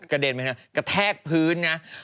กระแทกพื้นนะ